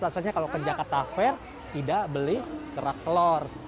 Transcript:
rasanya kalau ke jakarta fair tidak beli kerak telur